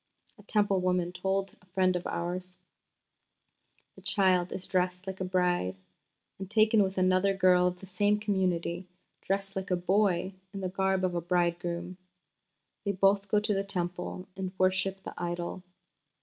A Temple woman herself told a friend of ours: "The child is dressed like a bride, and taken with another girl of the same community, dressed like a boy in the garb of a bridegroom. They both go to the Temple and worship the idol.